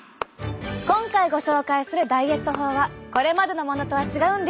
今回ご紹介するダイエット法はこれまでのものとは違うんです。